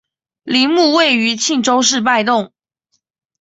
陵墓位于庆州市拜洞。